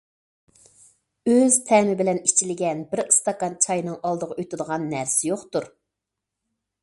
ئۆز تەمى بىلەن ئىچىلگەن بىر ئىستاكان چاينىڭ ئالدىغا ئۆتىدىغان نەرسە يوقتۇر.